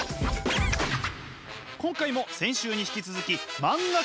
今回も先週に引き続き漫画家編。